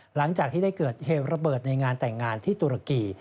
หลังจากที่ได้เกิดเหตุระเบิดในงานแต่งงานที่ตุรกี